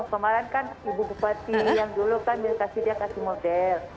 kemaren kan ibu bupati yang dulu kan dia kasih dia kasih model